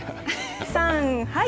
さん、はい。